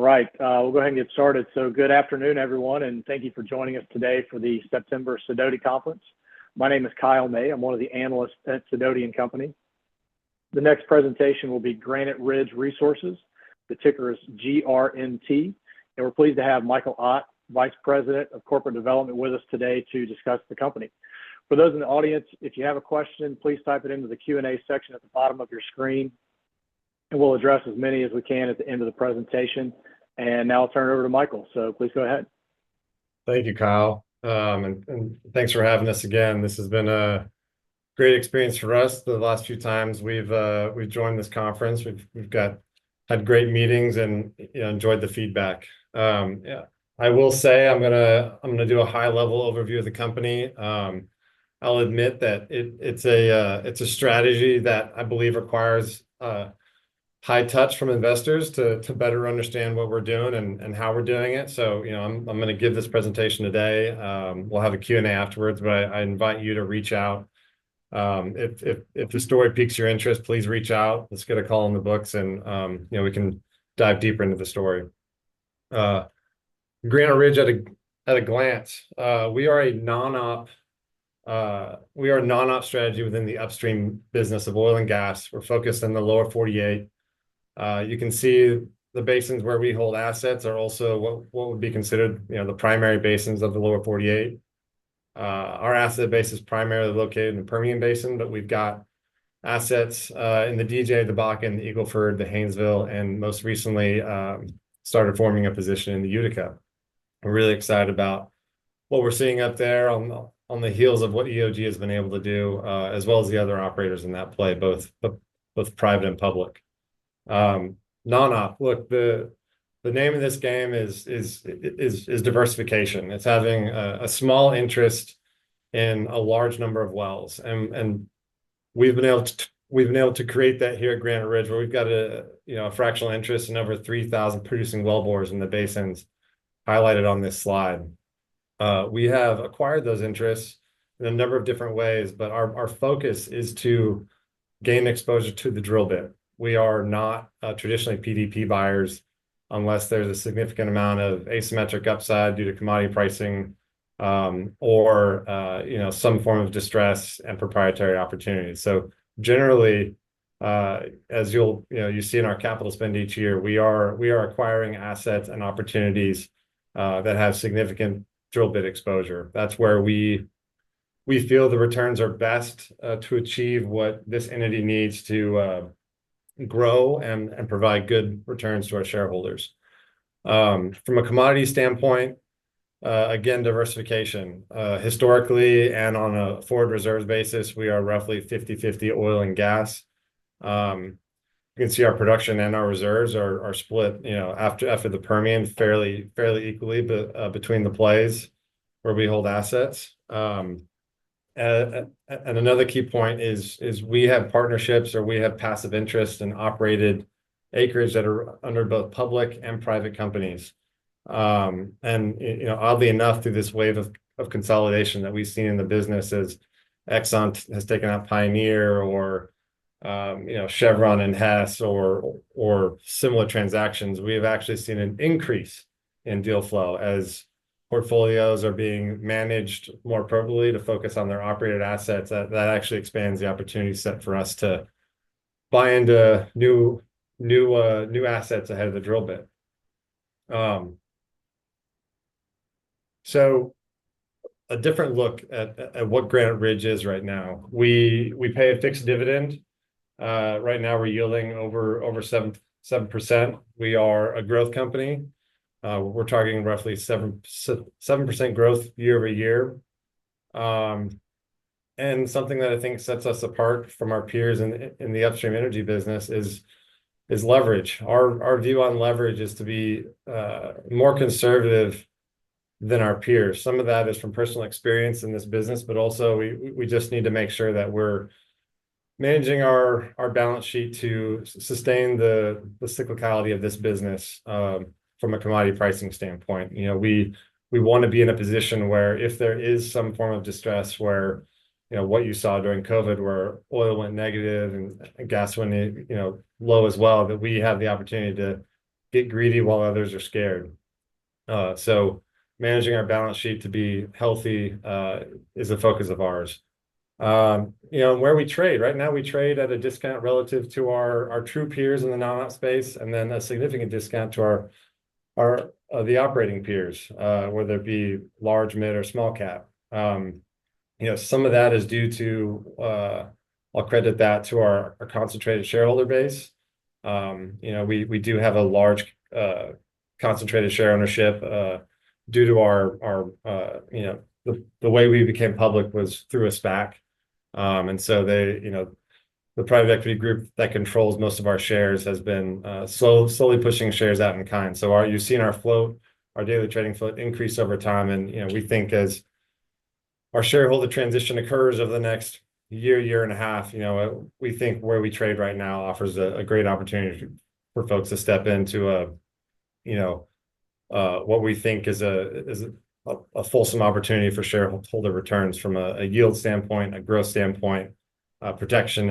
All right, we'll go ahead and get started. So good afternoon, everyone, and thank you for joining us today for the September Sidoti Conference. My name is Kyle May. I'm one of the analysts at Sidoti & Company. The next presentation will be Granite Ridge Resources. The ticker is GRNT, and we're pleased to have Michael Ott, Vice President of Corporate Development, with us today to discuss the company. For those in the audience, if you have a question, please type it into the Q&A section at the bottom of your screen, and we'll address as many as we can at the end of the presentation. And now I'll turn it over to Michael, so please go ahead. Thank you, Kyle. And thanks for having us again. This has been a great experience for us the last few times we've joined this conference. We've had great meetings and, you know, enjoyed the feedback. I will say I'm gonna do a high-level overview of the company. I'll admit that it's a strategy that I believe requires high touch from investors to better understand what we're doing and how we're doing it. So, you know, I'm gonna give this presentation today. We'll have a Q&A afterwards, but I invite you to reach out. If the story piques your interest, please reach out. Let's get a call on the books and, you know, we can dive deeper into the story. Granite Ridge at a glance. We are a non-op strategy within the upstream business of oil and gas. We're focused in the Lower 48. You can see the basins where we hold assets are also what would be considered, you know, the primary basins of the Lower 48. Our asset base is primarily located in the Permian Basin, but we've got assets in the DJ, the Bakken, the Eagle Ford, the Haynesville, and most recently started forming a position in the Utica. We're really excited about what we're seeing up there on the heels of what EOG has been able to do, as well as the other operators in that play, both private and public. Non-op, look, the name of this game is diversification. It's having a small interest in a large number of wells, and we've been able to create that here at Granite Ridge, where we've got you know a fractional interest in over three thousand producing wellbores in the basins highlighted on this slide. We have acquired those interests in a number of different ways, but our focus is to gain exposure to the drill bit. We are not traditionally PDP buyers, unless there's a significant amount of asymmetric upside due to commodity pricing, or you know some form of distress and proprietary opportunity. So generally, as you'll you know you see in our capital spend each year, we are acquiring assets and opportunities that have significant drill bit exposure. That's where we feel the returns are best, to achieve what this entity needs to grow and provide good returns to our shareholders. From a commodity standpoint, again, diversification. Historically, and on a forward reserves basis, we are roughly fifty-fifty oil and gas. You can see our production and our reserves are split, you know, after the Permian, fairly equally between the plays where we hold assets, and another key point is we have partnerships, or we have passive interest in operated acres that are under both public and private companies. And, you know, oddly enough, through this wave of consolidation that we've seen in the business as Exxon has taken out Pioneer or, you know, Chevron and Hess or similar transactions, we have actually seen an increase in deal flow. As portfolios are being managed more appropriately to focus on their operated assets, that actually expands the opportunity set for us to buy into new assets ahead of the drill bit. So a different look at what Granite Ridge is right now. We pay a fixed dividend. Right now, we're yielding over 7%. We are a growth company. We're targeting roughly 7% growth year-over-year. And something that I think sets us apart from our peers in the upstream energy business is leverage. Our view on leverage is to be more conservative than our peers. Some of that is from personal experience in this business, but also we just need to make sure that we're managing our balance sheet to sustain the cyclicality of this business from a commodity pricing standpoint. You know, we want to be in a position where if there is some form of distress, where you know what you saw during COVID, where oil went negative and gas went low as well, that we have the opportunity to get greedy while others are scared. So managing our balance sheet to be healthy is a focus of ours. You know, where we trade, right now, we trade at a discount relative to our true peers in the non-op space, and then a significant discount to our, the operating peers, whether it be large, mid, or small cap. You know, some of that is due to... I'll credit that to our concentrated shareholder base. You know, we do have a large concentrated share ownership due to our... You know, the way we became public was through a SPAC. And so they, you know, the private equity group that controls most of our shares has been slowly pushing shares out in kind. You've seen our float, our daily trading float increase over time, and, you know, we think as our shareholder transition occurs over the next year, year and a half, you know, we think where we trade right now offers a great opportunity for folks to step into a, you know, what we think is a fulsome opportunity for shareholder returns from a yield standpoint, a growth standpoint, protection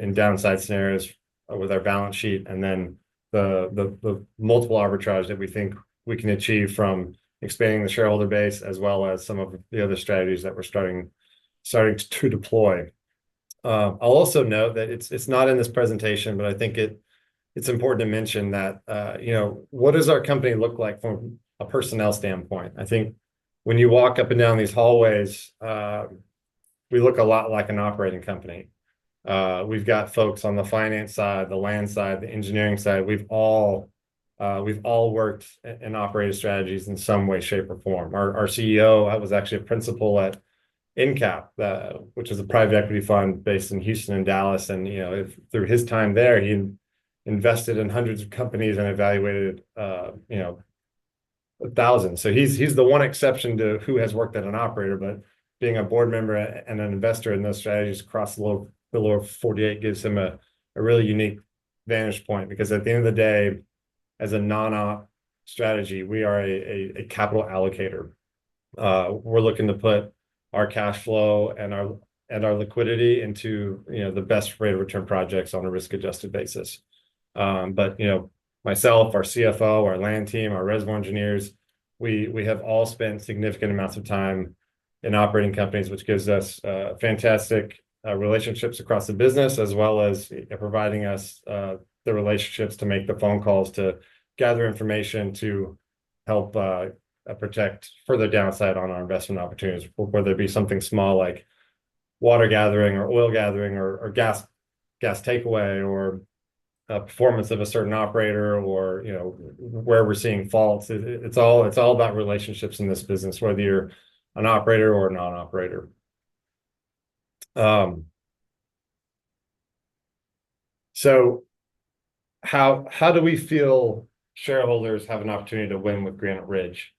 in downside scenarios with our balance sheet, and then the multiple arbitrage that we think we can achieve from expanding the shareholder base, as well as some of the other strategies that we're starting to deploy. I'll also note that it's not in this presentation, but I think it's important to mention that, you know, what does our company look like from a personnel standpoint? I think when you walk up and down these hallways, we look a lot like an operating company. We've got folks on the finance side, the land side, the engineering side. We've all worked in operating strategies in some way, shape, or form. Our CEO was actually a principal at EnCap, which is a private equity fund based in Houston and Dallas. And, you know, if through his time there, he invested in hundreds of companies and evaluated, you know, a thousand. So he's the one exception to who has worked at an operator. But being a board member and an investor in those strategies across the Lower 48 gives him a really unique vantage point. Because at the end of the day, as a non-op strategy, we are a capital allocator. We're looking to put our cash flow and our liquidity into, you know, the best rate of return projects on a risk-adjusted basis. But you know, myself, our CFO, our land team, our reservoir engineers, we have all spent significant amounts of time in operating companies, which gives us fantastic relationships across the business, as well as providing us the relationships to make the phone calls, to gather information, to help protect further downside on our investment opportunities, whether it be something small like water gathering, or oil gathering, or gas takeaway, or a performance of a certain operator, or you know, where we're seeing faults. It's all about relationships in this business, whether you're an operator or a non-operator. So how do we feel shareholders have an opportunity to win with Granite Ridge?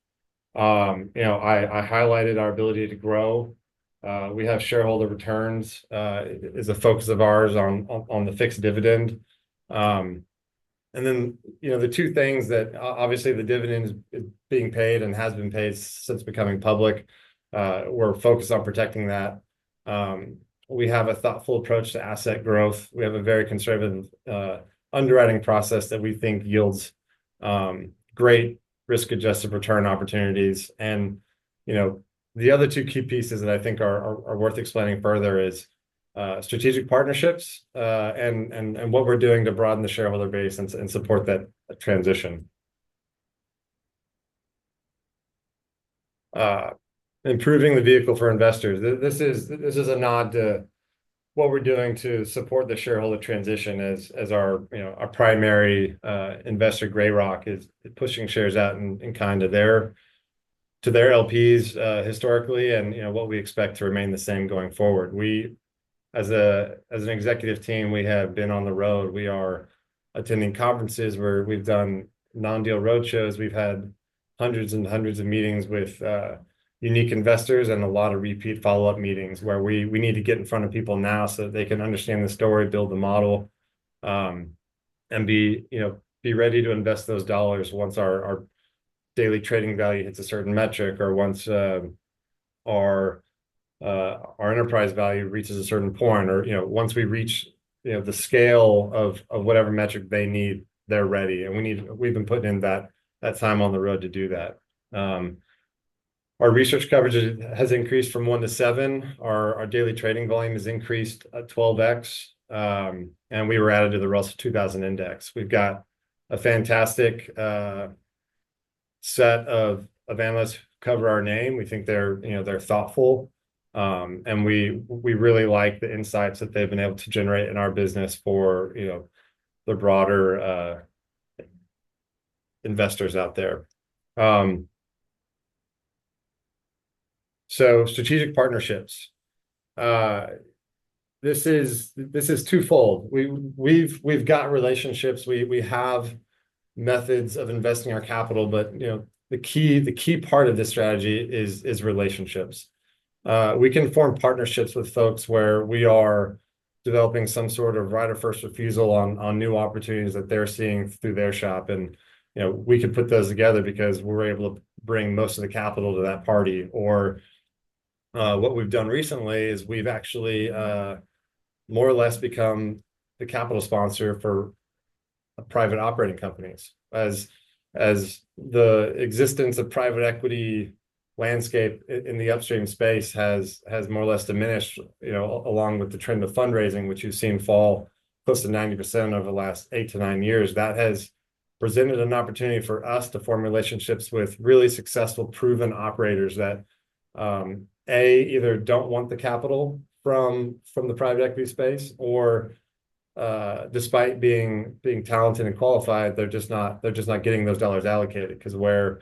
You know, I highlighted our ability to grow. We have shareholder returns as a focus of ours on the fixed dividend. And then, you know, the two things that obviously, the dividend is being paid and has been paid since becoming public, we're focused on protecting that. We have a thoughtful approach to asset growth. We have a very conservative underwriting process that we think yields great risk-adjusted return opportunities. You know, the other two key pieces that I think are worth explaining further is strategic partnerships and what we're doing to broaden the shareholder base and support that transition. Improving the vehicle for investors. This is... This is a nod to what we're doing to support the shareholder transition as our, you know, our primary investor, Grey Rock, is pushing shares out and in kind to their LPs historically, and, you know, what we expect to remain the same going forward. We, as an executive team, have been on the road. We are attending conferences where we've done non-deal roadshows. We've had hundreds and hundreds of meetings with unique investors and a lot of repeat follow-up meetings, where we need to get in front of people now so that they can understand the story, build the model, and be, you know, ready to invest those dollars once our daily trading value hits a certain metric or once our enterprise value reaches a certain point, or, you know, once we reach, you know, the scale of whatever metric they need, they're ready. And we've been putting in that time on the road to do that. Our research coverage has increased from one to seven. Our daily trading volume has increased twelve X, and we were added to the Russell 2000 Index. We've got a fantastic set of analysts who cover our name. We think they're, you know, they're thoughtful, and we really like the insights that they've been able to generate in our business for, you know, the broader investors out there, so strategic partnerships. This is twofold. We've got relationships. We have methods of investing our capital, but, you know, the key part of this strategy is relationships. We can form partnerships with folks where we are developing some sort of right of first refusal on new opportunities that they're seeing through their shop, and, you know, we could put those together because we're able to bring most of the capital to that party, or what we've done recently is we've actually more or less become the capital sponsor for private operating companies. As the existence of the private equity landscape in the upstream space has more or less diminished, you know, along with the trend of fundraising, which you've seen fall close to 90% over the last eight to nine years, that has presented an opportunity for us to form relationships with really successful, proven operators that either don't want the capital from the private equity space, or despite being talented and qualified, they're just not getting those dollars allocated. 'Cause where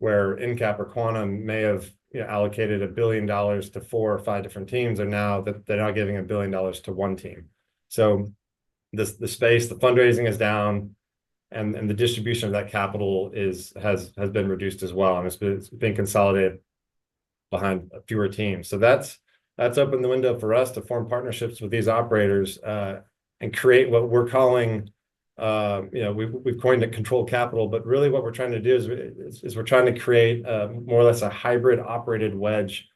EnCap or Quantum may have, you know, allocated $1 billion to four or five different teams, and now they're now giving $1 billion to one team. So the space, the fundraising is down, and the distribution of that capital has been reduced as well, and it's been consolidated behind a leaner team. So that's opened the window for us to form partnerships with these operators, and create what we're calling, you know, we've coined it controlled capital, but really what we're trying to do is we're trying to create more or less a hybrid-operated wedge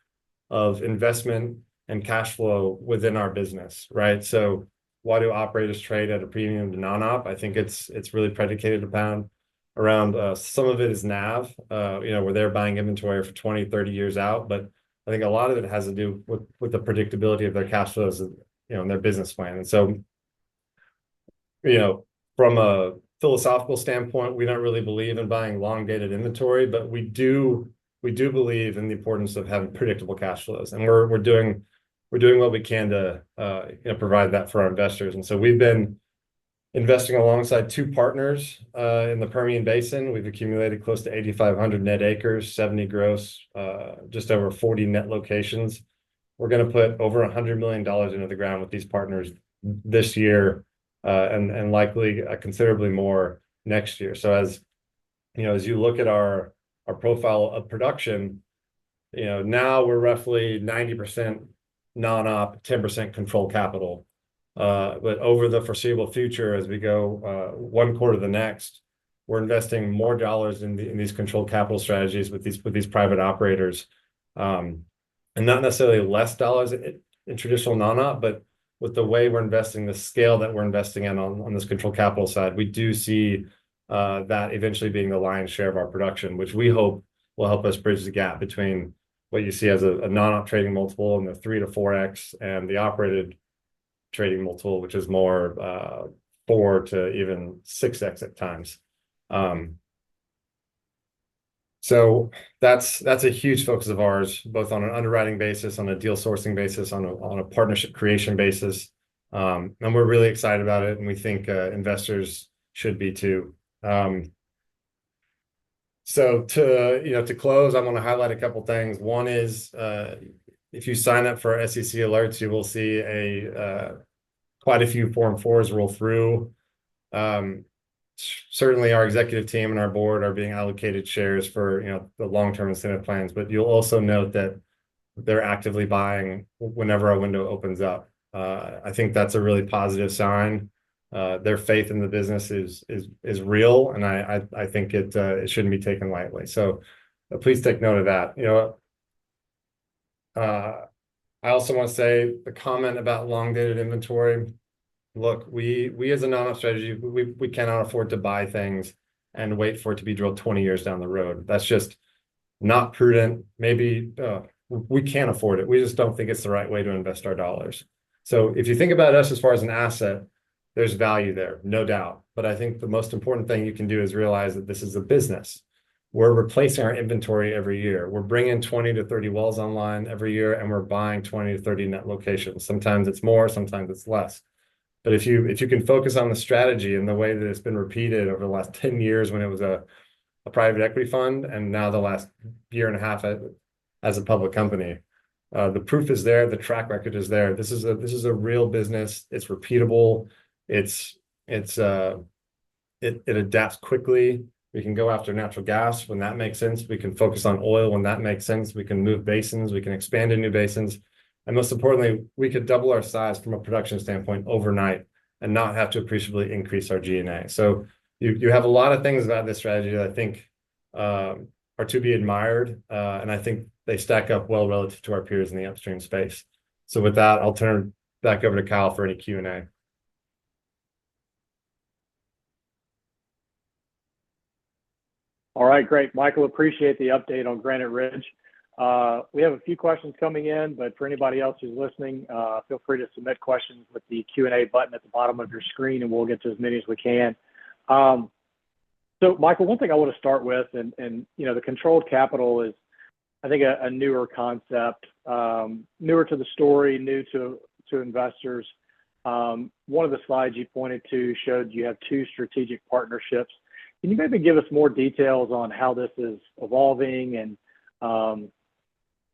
of investment and cash flow within our business, right? So why do operators trade at a premium to non-op? I think it's really predicated upon around some of it is NAV, you know, where they're buying inventory for twenty, thirty years out. But I think a lot of it has to do with the predictability of their cash flows and, you know, and their business plan. And so, you know, from a philosophical standpoint, we don't really believe in buying long-dated inventory, but we do, we do believe in the importance of having predictable cash flows. And we're doing what we can to, you know, provide that for our investors. And so we've been investing alongside two partners in the Permian Basin. We've accumulated close to 8,500 net acres, 70 gross, just over 40 net locations. We're gonna put over $100 million into the ground with these partners this year, and likely considerably more next year. So as you know, as you look at our profile of production, you know, now we're roughly 90% non-op, 10% controlled capital. But over the foreseeable future, as we go one quarter to the next, we're investing more dollars in these controlled capital strategies with these private operators. And not necessarily less dollars in traditional non-op, but with the way we're investing, the scale that we're investing in on this controlled capital side, we do see that eventually being the lion's share of our production, which we hope will help us bridge the gap between what you see as a non-op trading multiple and a three to four x, and the operated trading multiple, which is more four to six x at times. So that's a huge focus of ours, both on an underwriting basis, on a deal sourcing basis, on a partnership creation basis. And we're really excited about it, and we think investors should be too. So, you know, to close, I wanna highlight a couple things. One is, if you sign up for our SEC alerts, you will see quite a few Form 4s roll through. Certainly, our executive team and our board are being allocated shares for, you know, the long-term incentive plans, but you'll also note that they're actively buying whenever a window opens up. I think that's a really positive sign. Their faith in the business is real, and I think it shouldn't be taken lightly. So please take note of that. You know, I also want to say a comment about long-dated inventory. Look, we as a non-op strategy cannot afford to buy things and wait for it to be drilled 20 years down the road. That's just not prudent. Maybe, we can't afford it. We just don't think it's the right way to invest our dollars. So if you think about us as far as an asset, there's value there, no doubt. But I think the most important thing you can do is realize that this is a business. We're replacing our inventory every year. We're bringing twenty to thirty wells online every year, and we're buying 20-30 net locations. Sometimes it's more, sometimes it's less. But if you can focus on the strategy and the way that it's been repeated over the last ten years when it was a private equity fund, and now the last year and a half as a public company, the proof is there, the track record is there. This is a real business. It's repeatable, it adapts quickly. We can go after natural gas when that makes sense. We can focus on oil when that makes sense. We can move basins, we can expand into new basins, and most importantly, we could double our size from a production standpoint overnight and not have to appreciably increase our G&A. So you have a lot of things about this strategy that I think are to be admired, and I think they stack up well relative to our peers in the upstream space. So with that, I'll turn back over to Kyle for any Q&A. All right. Great, Michael, appreciate the update on Granite Ridge. We have a few questions coming in, but for anybody else who's listening, feel free to submit questions with the Q&A button at the bottom of your screen, and we'll get to as many as we can. So Michael, one thing I want to start with, and you know, the controlled capital is, I think, a newer concept, newer to the story, new to investors. One of the slides you pointed to showed you have two strategic partnerships. Can you maybe give us more details on how this is evolving and,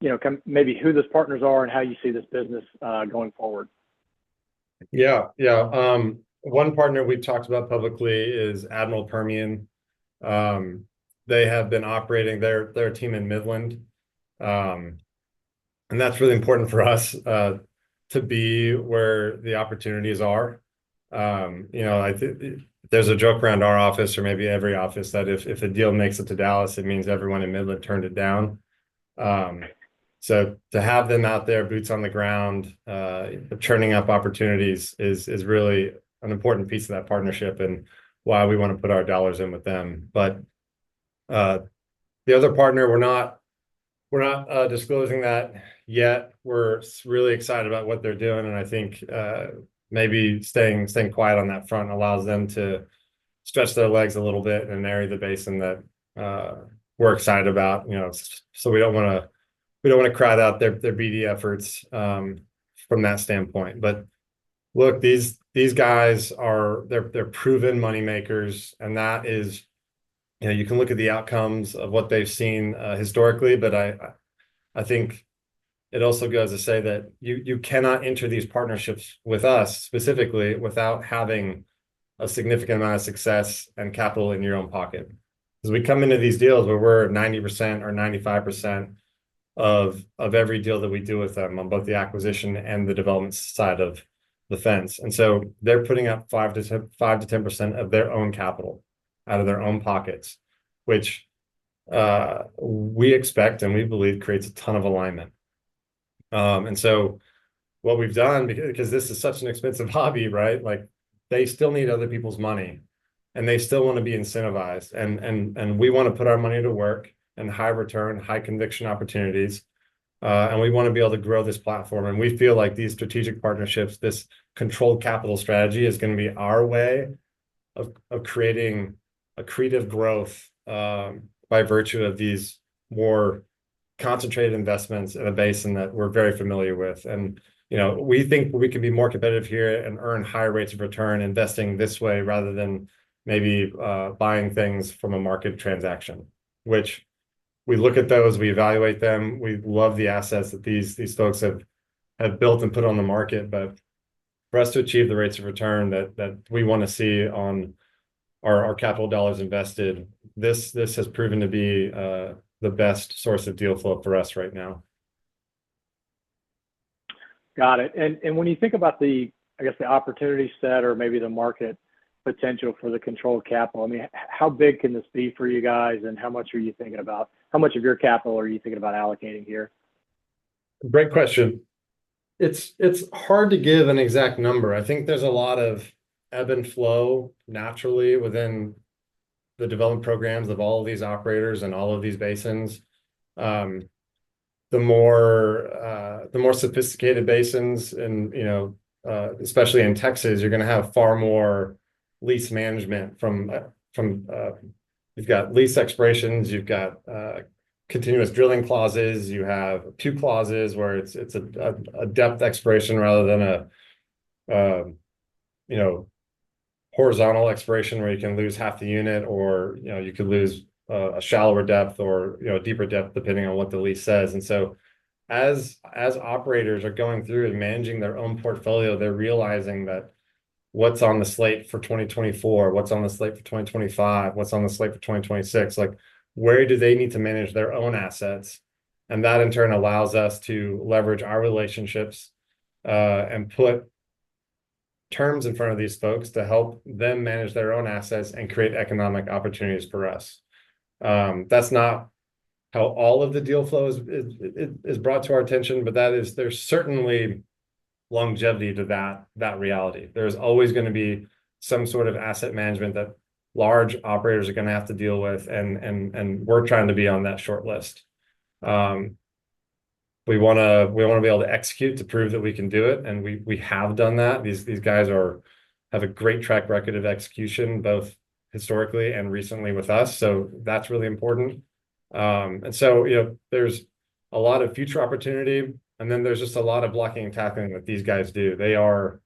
you know, maybe who those partners are and how you see this business going forward? Yeah, yeah. One partner we've talked about publicly is Admiral Permian. They have been operating their team in Midland, and that's really important for us to be where the opportunities are. You know, there's a joke around our office, or maybe every office, that if a deal makes it to Dallas, it means everyone in Midland turned it down. So to have them out there, boots on the ground, churning up opportunities is really an important piece of that partnership and why we want to put our dollars in with them. But the other partner, we're not disclosing that yet. We're really excited about what they're doing, and I think maybe staying quiet on that front allows them to stretch their legs a little bit and narrate the basin that we're excited about, you know, so we don't wanna crowd out their BD efforts from that standpoint. But look, these guys are... They're proven money makers, and that is, you know, you can look at the outcomes of what they've seen historically, but I think it also goes to say that you cannot enter these partnerships with us specifically, without having a significant amount of success and capital in your own pocket. As we come into these deals where we're 90% or 95% of every deal that we do with them on both the acquisition and the development side of the fence. And so they're putting up 5%-10% of their own capital out of their own pockets, which we expect and we believe creates a ton of alignment. And so what we've done, because this is such an expensive hobby, right? Like, they still need other people's money, and they still wanna be incentivized, and, and, and we wanna put our money to work in high return, high conviction opportunities, and we wanna be able to grow this platform. And we feel like these strategic partnerships, this controlled capital strategy, is gonna be our way of creating accretive growth, by virtue of these more concentrated investments in a basin that we're very familiar with. You know, we think we can be more competitive here and earn higher rates of return investing this way, rather than maybe buying things from a market transaction. We look at those, we evaluate them, we love the assets that these folks have built and put on the market, but for us to achieve the rates of return that we wanna see on our capital dollars invested, this has proven to be the best source of deal flow for us right now. Got it. And when you think about the, I guess, the opportunity set or maybe the market potential for controlled capital, I mean, how big can this be for you guys, and how much are you thinking about? How much of your capital are you thinking about allocating here? Great question. It's hard to give an exact number. I think there's a lot of ebb and flow naturally within the development programs of all of these operators and all of these basins. The more sophisticated basins and, you know, especially in Texas, you're gonna have far more lease management from... You've got lease expirations, you've got continuous drilling clauses, you have two clauses where it's a depth expiration rather than a, you know, horizontal expiration, where you can lose half the unit or, you know, you could lose a shallower depth or, you know, a deeper depth, depending on what the lease says. And so as operators are going through and managing their own portfolio, they're realizing that what's on the slate for 2024, what's on the slate for 2025, what's on the slate for 2026? Like, where do they need to manage their own assets? And that, in turn, allows us to leverage our relationships and put terms in front of these folks to help them manage their own assets and create economic opportunities for us. That's not how all of the deal flow is brought to our attention, but that is. There's certainly longevity to that reality. There's always gonna be some sort of asset management that large operators are gonna have to deal with, and we're trying to be on that shortlist. We wanna, we wanna be able to execute to prove that we can do it, and we, we have done that. These guys have a great track record of execution, both historically and recently with us, so that's really important. And so, you know, there's a lot of future opportunity, and then there's just a lot of blocking and tackling that these guys do. They are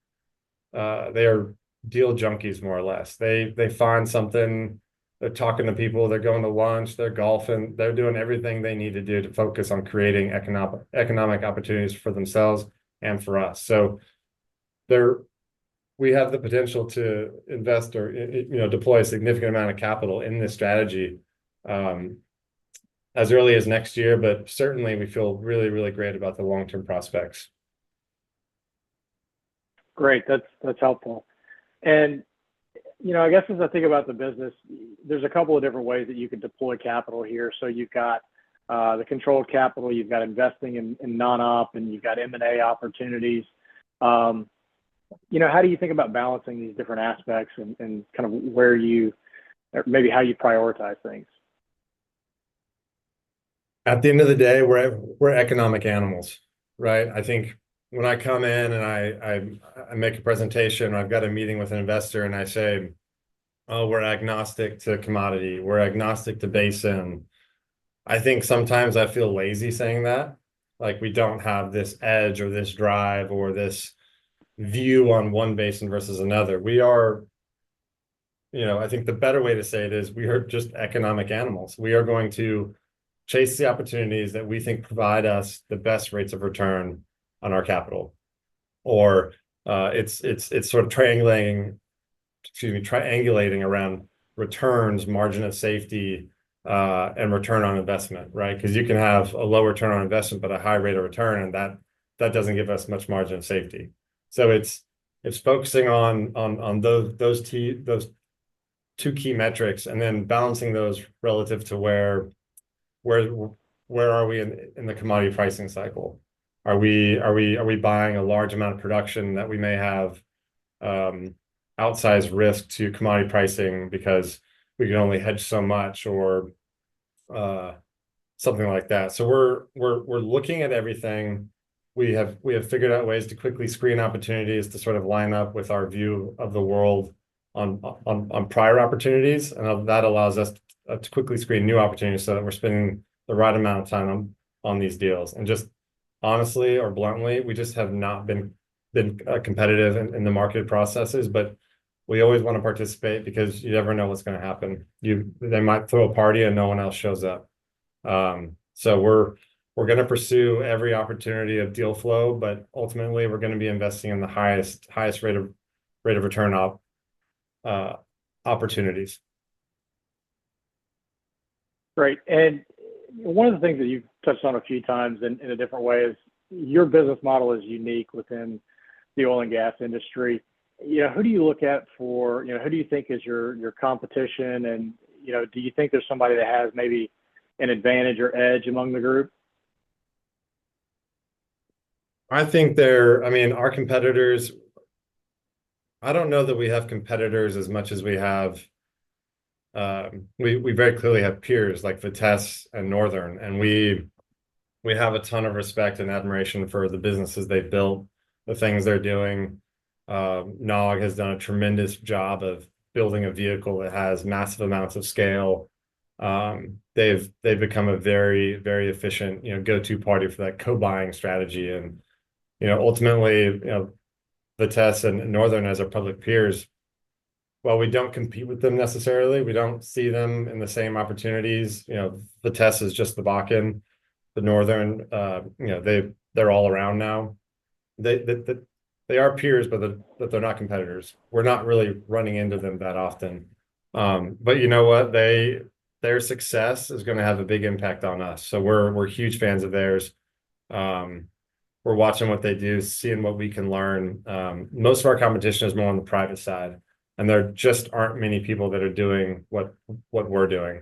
deal junkies, more or less. They find something, they're talking to people, they're going to lunch, they're golfing, they're doing everything they need to do to focus on creating economic opportunities for themselves and for us. So we have the potential to invest or you know, deploy a significant amount of capital in this strategy, as early as next year, but certainly we feel really, really great about the long-term prospects. Great, that's, that's helpful. And, you know, I guess as I think about the business, there's a couple of different ways that you can deploy capital here. So you've got the controlled capital, you've got investing in non-op, and you've got M&A opportunities. You know, how do you think about balancing these different aspects and kind of where you... or maybe how you prioritize things? At the end of the day, we're economic animals, right? I think when I come in, and I make a presentation, or I've got a meeting with an investor, and I say, "Oh, we're agnostic to commodity. We're agnostic to basin," I think sometimes I feel lazy saying that. Like, we don't have this edge, or this drive, or this view on one basin versus another. We are... You know, I think the better way to say it is, we are just economic animals. We are going to chase the opportunities that we think provide us the best rates of return on our capital. Or, it's sort of triangling, excuse me, triangulating around returns, margin of safety, and return on investment, right? 'Cause you can have a lower return on investment but a high rate of return, and that doesn't give us much margin of safety. So it's focusing on those two key metrics and then balancing those relative to where are we in the commodity pricing cycle? Are we buying a large amount of production that we may have outsized risk to commodity pricing because we can only hedge so much or something like that? So we're looking at everything. We have figured out ways to quickly screen opportunities to sort of line up with our view of the world on prior opportunities, and that allows us to quickly screen new opportunities so that we're spending the right amount of time on these deals. Just honestly, or bluntly, we just have not been competitive in the market processes, but we always wanna participate, because you never know what's gonna happen. They might throw a party, and no one else shows up. We're gonna pursue every opportunity of deal flow, but ultimately, we're gonna be investing in the highest rate of return opportunities. Great. And one of the things that you've touched on a few times in, in a different way is, your business model is unique within the oil and gas industry. Yeah, who do you look at for... You know, who do you think is your, your competition, and, you know, do you think there's somebody that has maybe an advantage or edge among the group? I think I mean, our competitors. I don't know that we have competitors as much as we have we very clearly have peers, like Vitesse and Northern, and we have a ton of respect and admiration for the businesses they've built, the things they're doing. NOG has done a tremendous job of building a vehicle that has massive amounts of scale. They've become a very, very efficient, you know, go-to party for that co-buying strategy and, you know, ultimately, you know, Vitesse and Northern, as our public peers, while we don't compete with them necessarily, we don't see them in the same opportunities. You know, Vitesse is just the Bakken. Northern, you know, they, they're all around now. They are peers, but they're not competitors. We're not really running into them that often. But you know what? Their success is gonna have a big impact on us, so we're huge fans of theirs. We're watching what they do, seeing what we can learn. Most of our competition is more on the private side, and there just aren't many people that are doing what we're doing.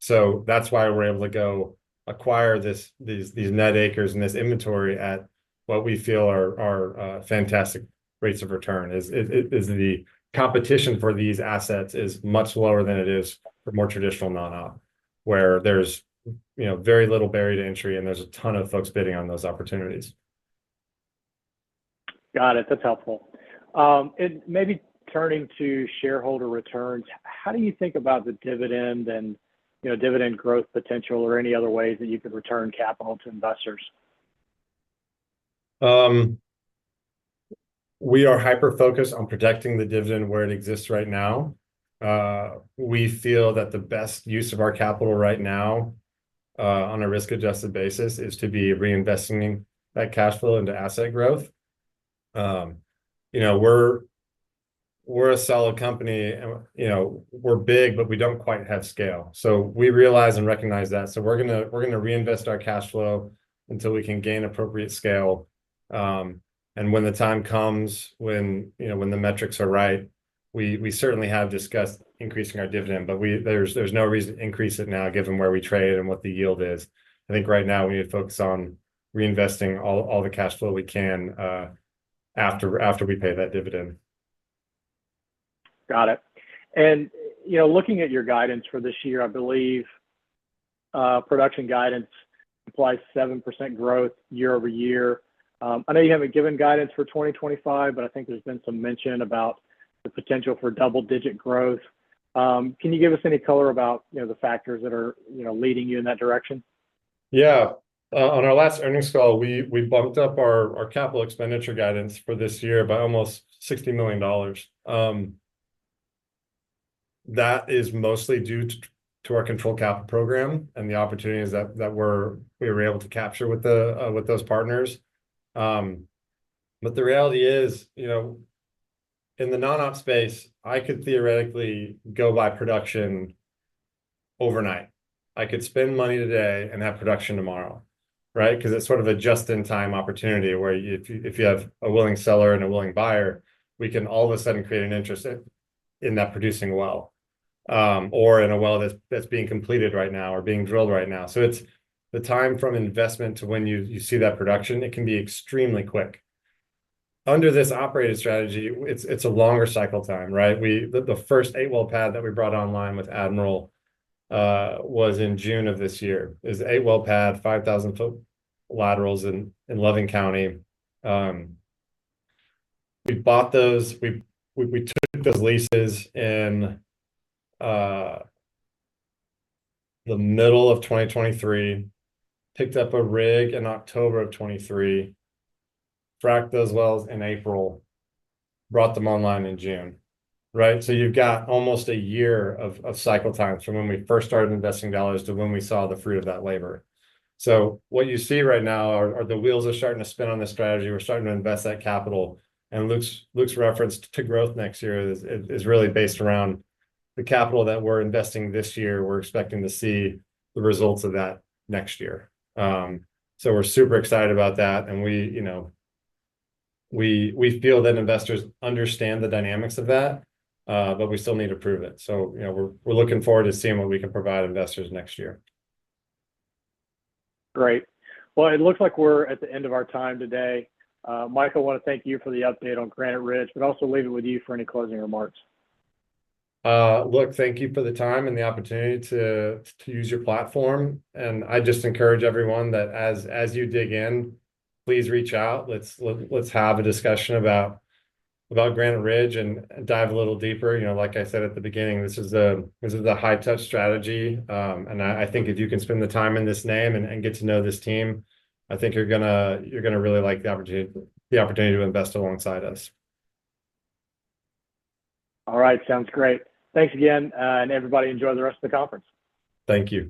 So that's why we're able to go acquire these net acres and this inventory at what we feel are fantastic rates of return. The competition for these assets is much lower than it is for more traditional non-op, where there's, you know, very little barrier to entry, and there's a ton of folks bidding on those opportunities. Got it. That's helpful, and maybe turning to shareholder returns, how do you think about the dividend and, you know, dividend growth potential or any other ways that you could return capital to investors? We are hyper-focused on protecting the dividend where it exists right now. We feel that the best use of our capital right now, on a risk-adjusted basis, is to be reinvesting that cash flow into asset growth. You know, we're, we're a solid company, and, you know, we're big, but we don't quite have scale. So we realize and recognize that, so we're gonna, we're gonna reinvest our cash flow until we can gain appropriate scale. And when the time comes, when, you know, when the metrics are right, we, we certainly have discussed increasing our dividend, but we-- there's, there's no reason to increase it now, given where we trade and what the yield is. I think right now we need to focus on reinvesting all, all the cash flow we can, after, after we pay that dividend. Got it, and you know, looking at your guidance for this year, I believe production guidance implies 7% growth year-over-year. I know you haven't given guidance for 2025, but I think there's been some mention about the potential for double-digit growth. Can you give us any color about, you know, the factors that are, you know, leading you in that direction? Yeah. On our last earnings call, we bumped up our capital expenditure guidance for this year by almost $60 million. That is mostly due to our controlled capital program and the opportunities that we were able to capture with those partners. But the reality is, you know, in the non-op space, I could theoretically go buy production overnight. I could spend money today and have production tomorrow, right? 'Cause it's sort of a just-in-time opportunity, where if you have a willing seller and a willing buyer, we can all of a sudden create an interest in that producing well, or in a well that's being completed right now or being drilled right now. So it's the time from investment to when you see that production, it can be extremely quick. Under this operating strategy, it's a longer cycle time, right? The first eight-well pad that we brought online with Admiral was in June of this year. It's a eight-well pad, 5,000-foot laterals in Loving County. We bought those, we took those leases in the middle of 2023, picked up a rig in October of 2023, fracked those wells in April, brought them online in June, right? So you've got almost a year of cycle time from when we first started investing dollars to when we saw the fruit of that labor. So what you see right now are the wheels are starting to spin on this strategy. We're starting to invest that capital, and Luke's reference to growth next year is really based around the capital that we're investing this year. We're expecting to see the results of that next year. So we're super excited about that, and, you know, we feel that investors understand the dynamics of that, but we still need to prove it. So, you know, we're looking forward to seeing what we can provide investors next year. Great. It looks like we're at the end of our time today. Mike, I wanna thank you for the update on Granite Ridge, but also leave it with you for any closing remarks. Look, thank you for the time and the opportunity to use your platform, and I just encourage everyone that as you dig in, please reach out. Let's look - let's have a discussion about Granite Ridge, and dive a little deeper. You know, like I said at the beginning, this is a high-touch strategy, and I think if you can spend the time in this name and get to know this team, I think you're gonna really like the opportunity to invest alongside us. All right. Sounds great. Thanks again, and everybody, enjoy the rest of the conference. Thank you.